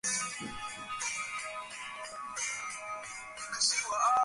তিনি বিভিন্ন সাহিত্যের ক্লাসিক লেখাগুলো পড়তে শুরু করেন।